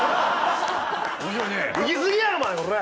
いきすぎやろお前こら！